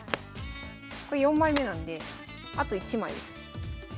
これ４枚目なんであと１枚です。